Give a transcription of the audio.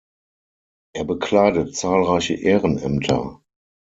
Er bekleidet zahlreiche Ehrenämter.